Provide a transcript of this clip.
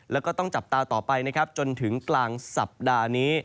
แล้วก็ต้องจับตาต่อไปนะครับจนถึงกลางสัปดาห์นี้